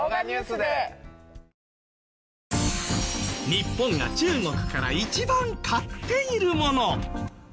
日本が中国から一番買っているもの。